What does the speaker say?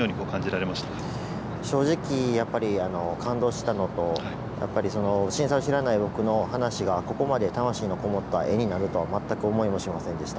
正直、やっぱり感動したのと、やっぱり震災知らない僕の話がここまで魂の込もった絵になるとは全く思いもしませんでした。